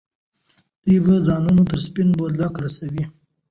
دوی به ځانونه تر سپین بولدکه رسولي.